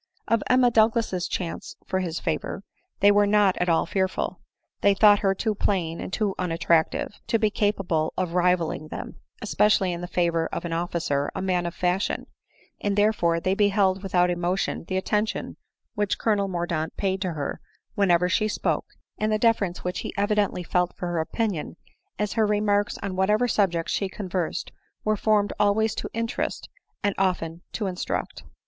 Of Emma Douglas's chance for his favor, they were not at all fearful ; they thought her too plain, and too unattractive, to be capable of rivalling them ; especially in the favor of an officer, a man of fashion ; and there fore they beheld without emotion the attention which Colonel Mordaunt paid to her whenever she spoke, and the deference which he evidently felt for her opinion, as her remarks on whatever subject she conversed were formed always to interest, and often to instruct.